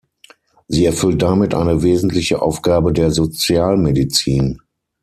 Sie erfüllt damit eine wesentliche Aufgabe der Sozialmedizin.